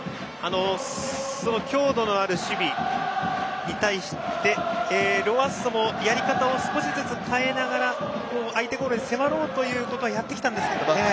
強度のある守備に対してロアッソもやり方を少しずつ変えながら相手ゴールに迫ろうとやってきたんですけどね。